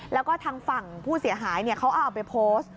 แล้วก็ทางฝั่งผู้เสียหายเขาเอาไปโพสต์